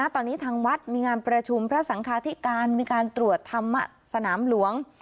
ตอนนี้ทางวัดมีงานประชุมพระสังคาธิการมีการตรวจธรรมสนามหลวง